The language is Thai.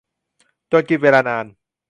จนกินเวลานาน